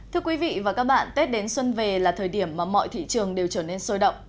thưa quý vị và các bạn tết đến xuân về là thời điểm mà mọi thị trường đều trở nên sôi động